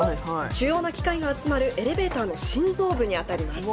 主要な機械が集まるエレベーターの心臓部にあたります。